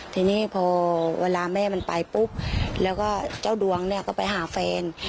ทีนี้พอเวลาแม่มันไปปุ๊บแล้วก็เจ้าดวงเนี่ยก็ไปหาแฟน